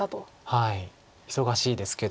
忙しいですけど。